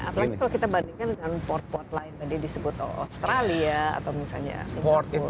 apalagi kalau kita bandingkan dengan port port lain tadi disebut australia atau misalnya singapura